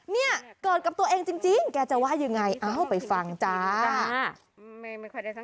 เนี่ยเกิดกับตัวเองจริงแกจะว่ายังไงเอ้าไปฟังจ้า